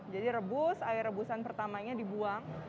jadi rebus air rebusan pertamanya dibuang